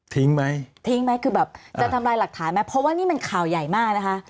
ไหมทิ้งไหมคือแบบจะทำลายหลักฐานไหมเพราะว่านี่มันข่าวใหญ่มากนะคะ